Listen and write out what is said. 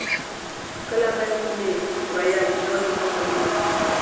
کله به مې ویل دا زما ګناه نه ده.